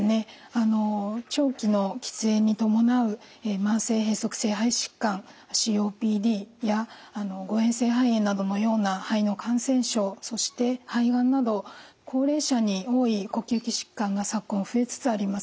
長期の喫煙に伴う慢性閉塞性肺疾患ＣＯＰＤや誤えん性肺炎などのような肺の感染症そして肺がんなど高齢者に多い呼吸器疾患が昨今増えつつあります。